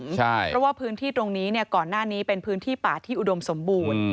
เพราะว่าพื้นที่ตรงนี้ก่อนหน้านี้เป็นพื้นที่ป่าที่อุดมสมบูรณ์